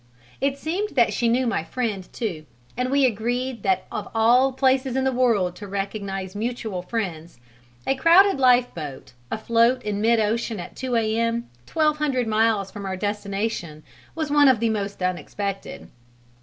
It seemed that she knew my friend, too; and we agreed that of all places in the world to recognize mutual friends, a crowded lifeboat afloat in mid ocean at 2 A.M. twelve hundred miles from our destination was one of the most unexpected.